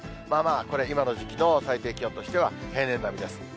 まあまあ、これ今の時期の最低気温としては平年並みです。